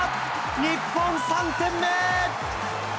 日本３点目！